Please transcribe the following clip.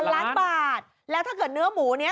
ล้านบาทแล้วถ้าเกิดเนื้อหมูนี้